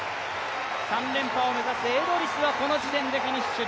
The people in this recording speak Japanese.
３連覇を目指すエドリスはこの時点でフィニッシュ。